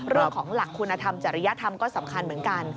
เรื่องของหลักคุณธรรมจริยธรรมก็สำคัญเหมือนกัน